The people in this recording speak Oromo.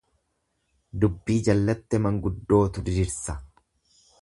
Dubbii jallatte manguddootu dirirsa.